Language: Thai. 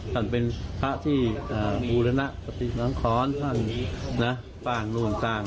ท่านเป็นพระที่บูรณะปฏิหรังขอนท่านฟ่างนู่นต่าง